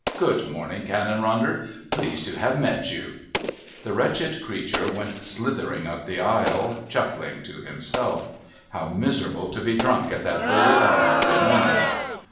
Good morning, Canon Ronder. Pleased to have met you." The wretched creature went slithering up the aisle, chuckling to himself. How miserable to be drunk at that early hour of the morning!